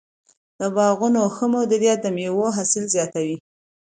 د باغونو ښه مدیریت د مېوو حاصل زیاتوي.